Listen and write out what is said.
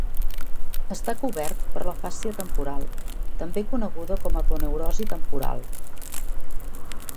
Està cobert per la fàscia temporal, també coneguda com a aponeurosi temporal.